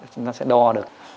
chúng ta sẽ đo được